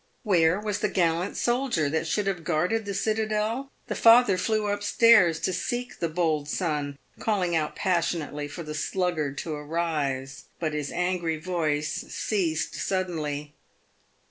"Where was the gallant soldier that should have guarded the cita del ? The father flew up stairs to seek the bold son, calling out passionately for the sluggard to arise. But his angry voice ceased suddenly.